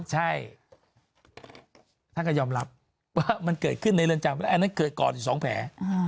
ใช่ท่านก็ยอมรับว่ามันเกิดขึ้นในเรือนจำแล้วอันนั้นเคยกอดอยู่๒แผล